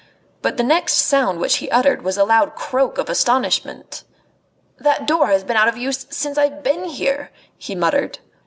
But the next sound which he uttered was a loud croak of astonishment. "That door has been out of use ever since I've been here," he muttered.